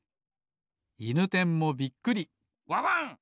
いぬてんもびっくりワワン！